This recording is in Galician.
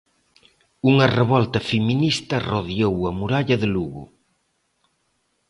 Unha revolta feminista rodeou a muralla de Lugo.